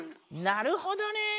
なるほどね。